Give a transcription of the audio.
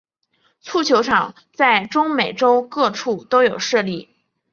蹴球场在中美洲各处都有设立。